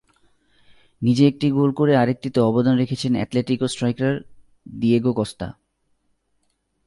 নিজে একটি গোল করে আরেকটিতে অবদান রেখেছেন অ্যাটলেটিকো স্ট্রাইকার ডিয়েগো কস্তা।